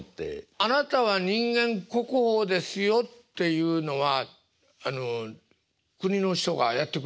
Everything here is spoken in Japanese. あなたは人間国宝ですよっていうのはあの国の人がやって来るんですか？